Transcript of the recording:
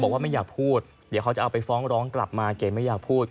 ไม่อยากพูดเดี๋ยวเขาจะเอาไปฟ้องร้องกลับมาเก๋ไม่อยากพูด